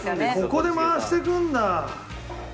ここで回していくんだ。